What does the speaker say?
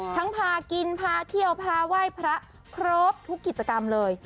พากินพาเที่ยวพาไหว้พระครบทุกกิจกรรมเลย